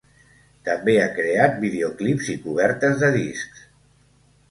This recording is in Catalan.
També ha creat videoclips i cobertes de discs.